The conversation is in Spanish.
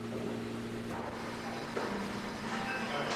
Su asiento estaba en la Ciudad de Santa María La Blanca de Valdivia.